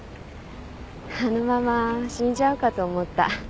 あのまま死んじゃうかと思った。